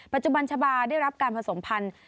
ปัจจุบันชะบาได้รับการผสมพันธุ์